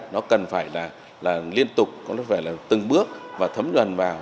nó cần phải là liên tục nó phải là từng bước và thấm nhuận vào